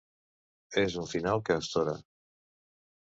És un final que astora.